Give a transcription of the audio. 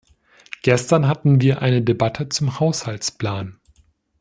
Gestern hatten wir eine Debatte zum Haushaltsplan.